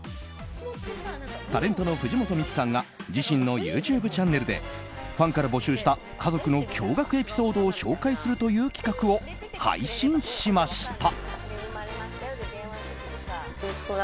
タレントの藤本美貴さんが自身のＹｏｕＴｕｂｅチャンネルでファンから募集した家族の驚愕エピソードを紹介するという企画を配信しました。